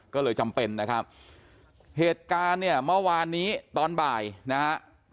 ก็เลยจำเป็นนะครับเหตุการณ์เนี่ยเมื่อวานนี้ตอนบ่ายนะฮะ